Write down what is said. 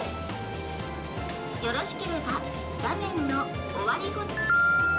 よろしければ画面の終わりを。